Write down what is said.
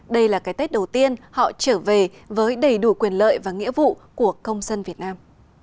đây là cái tết đầu tiên họ trở về với đầy đủ quyền lợi và nghĩa vụ của công dân việt nam